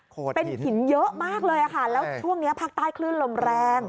เป็นหินเยอะมากเลยค่ะแล้วช่วงนี้ภาคใต้คลื่นลมแรง